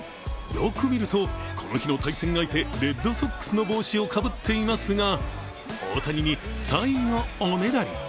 よく見るとこの日の対戦相手レッドソックスの帽子をかぶっていますが、大谷にサインをおねだり。